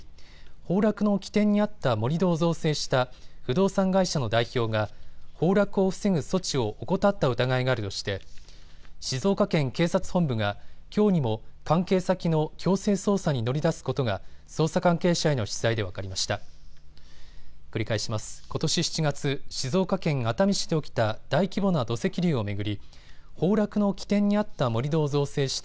崩落の起点にあった盛り土を造成した不動産会社の代表が崩落を防ぐ措置を怠った疑いがあるとして静岡県警察本部がきょうにも関係先の強制捜査に乗り出すことが捜査関係者への取材で分かりました。